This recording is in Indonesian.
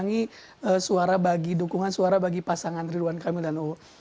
akan mengurangi dukungan suara bagi pasangan ridwan kamil dan uu